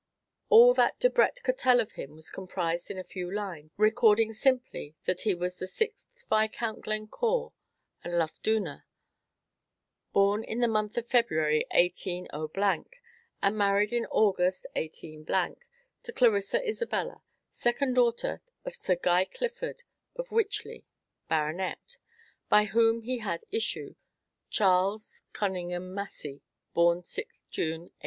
All that Debrett could tell of him was comprised in a few lines, recording simply that he was sixth Viscount Glencore and Loughdooner; born in the month of February, 180 , and married in August, 18 , to Clarissa Isabella, second daughter of Sir Guy Clifford, of Wytchley, Baronet; by whom he had issue, Charles Conyngham Massey, born 6th June, 18